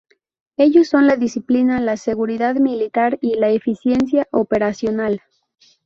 Ellos son la disciplina, la seguridad militar y la eficiencia operacional.